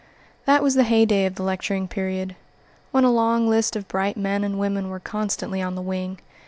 That was the heyday of the lecturing period, when a long list of bright men and women were constantly on the wing.